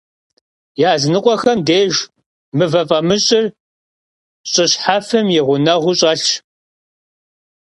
Yazınıkhuexem dêjj mıve f'amış'ır ş'ı şhefem yi ğuneğuu ş'elhş.